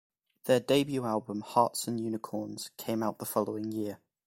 Their debut album, "Hearts and Unicorns", came out the following year.